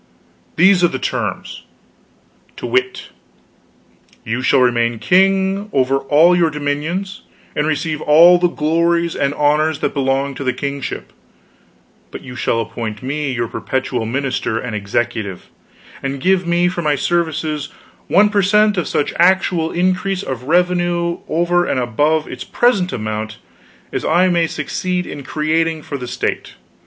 These are the terms, to wit: You shall remain king over all your dominions, and receive all the glories and honors that belong to the kingship; but you shall appoint me your perpetual minister and executive, and give me for my services one per cent of such actual increase of revenue over and above its present amount as I may succeed in creating for the state.